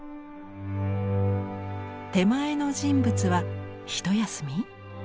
手前の人物はひと休み？